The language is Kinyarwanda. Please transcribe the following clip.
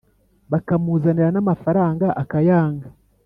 Bakamuzanira n’ amafaranga akayanga